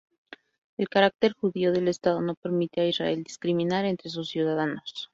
El carácter judío del Estado no permite a Israel discriminar entre sus ciudadanos".